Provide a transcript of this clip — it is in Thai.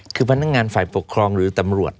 คือพนักงานฝ่ายปกครองหรือตำรวจ